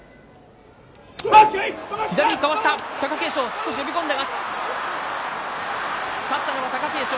少し呼び込んだが、勝ったのは貴景勝。